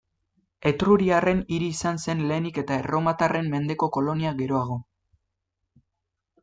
Etruriarren hiri izan zen lehenik eta erromatarren mendeko kolonia geroago.